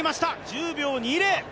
１０秒２０！